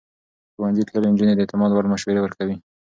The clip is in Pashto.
ښوونځی تللې نجونې د اعتماد وړ مشورې ورکوي.